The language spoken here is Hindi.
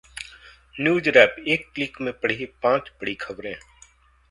NewsWrap: एक क्लिक में पढ़िए पांच बड़ी खबरें